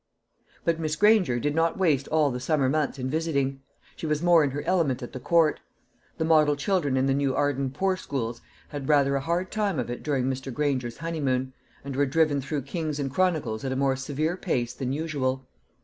But Miss Granger did not waste all the summer months in visiting. She was more in her element at the Court. The model children in the new Arden poor schools had rather a hard time of it during Mr. Granger's honeymoon, and were driven through Kings and Chronicles at a more severe pace than usual.